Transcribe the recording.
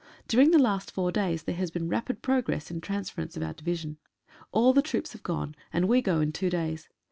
Dur ing the last four days there has been rapid progress in the transference of our division. All the troops have gone.and we go in two days.